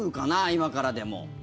今からでも。